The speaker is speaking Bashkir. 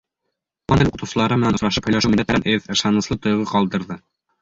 Туған тел уҡытыусылары менән осрашып һөйләшеү миндә тәрән эҙ, ышаныслы тойғо ҡалдырҙы.